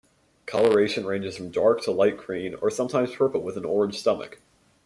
Coloration ranges from dark to light green, or sometimes purple with an orange stomach.